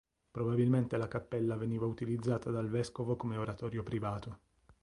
Probabilmente la cappella veniva utilizzata dal vescovo come oratorio privato.